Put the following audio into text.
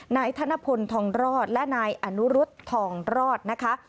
นายธนพลทองรอดและนายอนุรุษทองรอดนะคะ